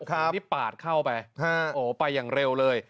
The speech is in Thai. ที่ปาดเข้าไปอ๋อไปอย่างเร็วเลย